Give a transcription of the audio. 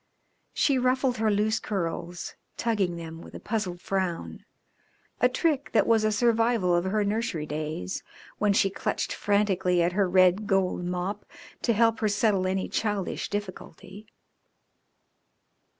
She ruffled her loose curls, tugging them with a puzzled frown, a trick that was a survival of her nursery days, when she clutched frantically at her red gold mop to help her settle any childish difficulty.